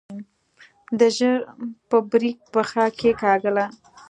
ده ژر په بريک پښه کېکاږله.